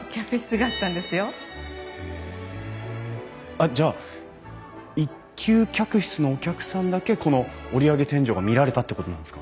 あっじゃあ１級客室のお客さんだけこの折り上げ天井が見られたってことなんですか？